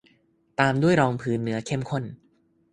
ตามด้วยรองพื้นเนื้อเข้มข้น